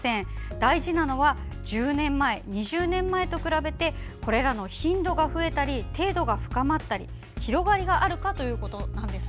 大事なのは１０年前、２０年前と比べてこれらの頻度が増えたり程度が深まったり広がりがあるかということなんです。